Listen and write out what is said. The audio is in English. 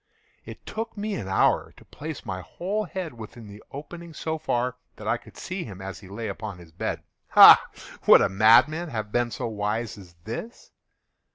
It took me an hour to place my whole head within the opening so far that I could see him as he lay upon his bed. Ha!—would a madman have been so wise as this?